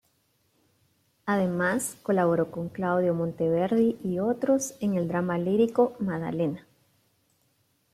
Además, colaboró con Claudio Monteverdi y otros en el drama lírico "Maddalena".